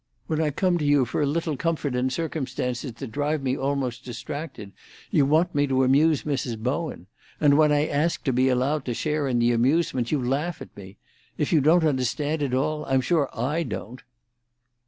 When I come to you for a little comfort in circumstances that drive me almost distracted, you want to amuse Mrs. Bowen, and when I ask to be allowed to share in the amusement, you laugh at me! If you don't understand it all, I'm sure I don't."